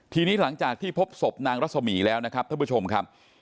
ทีนี้หลังจากที่พบศพนางรัศมีแล้วนะครับท่านผู้ชมครับ